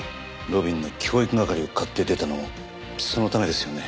路敏の教育係を買って出たのもそのためですよね？